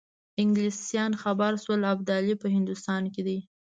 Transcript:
انګلیسان خبر شول ابدالي په هندوستان کې دی.